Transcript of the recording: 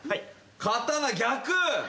刀逆！